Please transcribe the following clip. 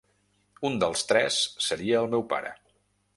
Un dels tres seria el meu pare.